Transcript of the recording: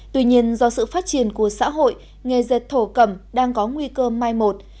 tuy nhiên do sự phát triển của xã hội nghề dệt thổ cẩm đang có nguy cơ mai một